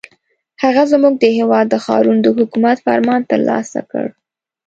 هغه زموږ د هېواد د ښارونو د حکومت فرمان ترلاسه کړ.